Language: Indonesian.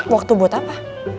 waktu buat apa